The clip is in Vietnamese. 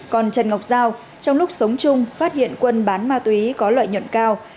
còn trần ngọc giao trong lúc sống chung phát hiện quân bán ma túy có lợi nhuận cao